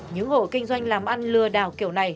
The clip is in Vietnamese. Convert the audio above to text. những hộ kinh doanh làm ăn lừa đảo kiểu này